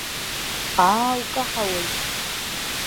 Аа, укаҳауеит!